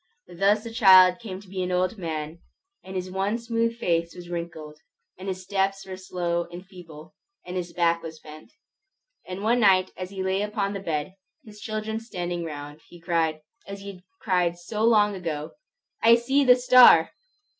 Thus the child came to be an old man, and his once smooth face was wrinkled, and his steps were slow and feeble, and his back was bent. And one night as he lay upon his bed, his children standing round, he cried, as he had cried so long ago, "I see the star!"